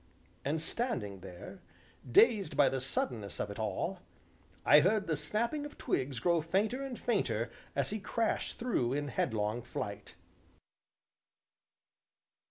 And standing there, dazed by the suddenness of it all, I heard the snapping of twigs grow fainter and fainter as he crashed through in headlong flight.